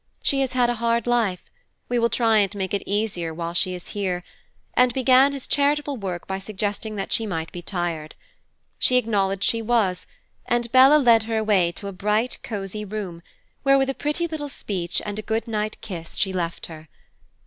She has had a hard life. We will try and make it easier while she is here; and began his charitable work by suggesting that she might be tired. She acknowledged she was, and Bella led her away to a bright, cozy room, where with a pretty little speech and a good night kiss she left her.